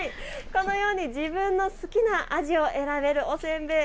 このように自分の好きな味を選べるおせんべい。